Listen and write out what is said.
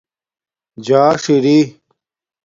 جاݽ اِری